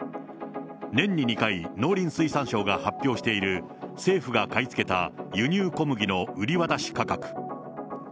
年に２回、農林水産省が発表している政府が買い付けた輸入小麦の売り渡し価格。